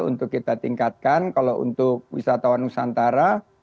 untuk kita tingkatkan kalau untuk wisatawan nusantara